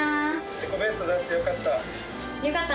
自己ベスト出せてよかった。